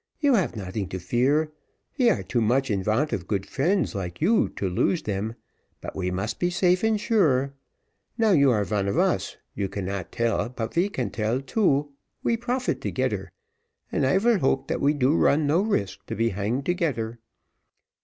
You have noting to fear we are too much in want of good friends like you, to lose them, but we must be safe and shure; now you are von of us you cannot tell but we can tell too we profit togeder, and I vill hope dat we do run no risk to be hang togeder.